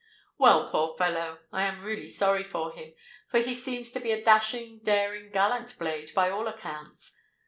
Well, poor fellow! I am really sorry for him—for he seems to be a dashing, daring, gallant blade, by all accounts.